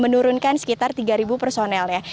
menurunkan sekitar tiga personelnya